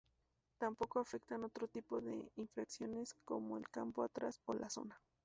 Tampoco afectan otro tipo de infracciones como el campo atrás o la zona.